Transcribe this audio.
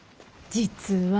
実は。